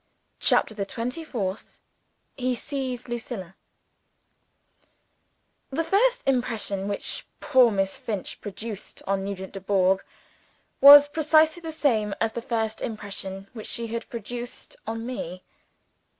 CHAPTER THE TWENTY FOURTH He sees Lucilla THE first impression which poor Miss Finch produced on Nugent Dubourg, was precisely the same as the first impression which she had produced on me.